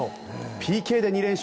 ＰＫで２連勝。